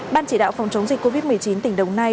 ban chỉ đạo phòng chống dịch covid một mươi chín tỉnh đồng nai